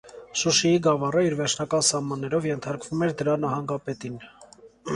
Շուշիի գավառը իր վերջնական սահմաններով ենթարկվում էր դրա նահանգապետին։